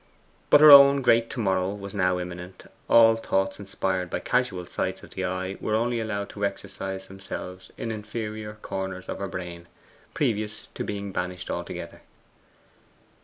But her own great To Morrow was now imminent; all thoughts inspired by casual sights of the eye were only allowed to exercise themselves in inferior corners of her brain, previously to being banished altogether.